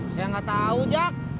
saya nggak tahu jack